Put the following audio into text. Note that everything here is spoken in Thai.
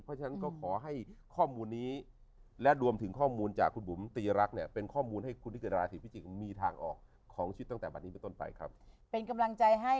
เพราะฉะนั้นก็ขอให้ข้อมูลนี้